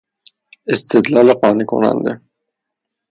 استدلال قانع کننده